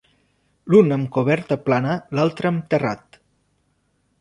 L’un amb coberta plana l’altra amb terrat.